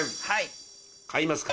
はい。